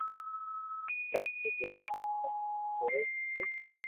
چاڪو جويو ڪاو ھوئي او رو